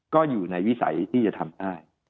ก็อยู่ในวิสัยที่จะทำได้